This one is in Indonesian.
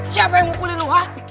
siapa yang mukulin lo hah